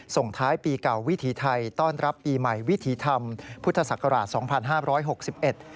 ส่งท้ายปีเก่าวิถีไทยต้อนรับปีใหม่วิถีธรรมพุทธศักราช๒๕๖๑